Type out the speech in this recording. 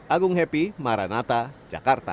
agung happy maranata jakarta